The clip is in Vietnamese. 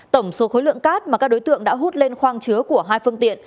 tổng số khối lượng cát mà các đối tượng đã hút lên khoang chứa của hai phương tiện